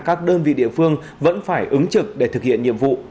các đơn vị địa phương vẫn phải ứng trực để thực hiện nhiệm vụ